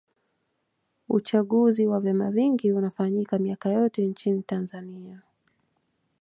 uchaguzi wa vyama vingi unafanyika miaka yote nchini tanzania